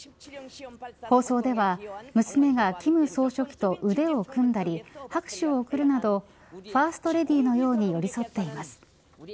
放送では、娘が金総書記と腕を組んだり拍手を送るなどファーストレディーのように寄り添っています。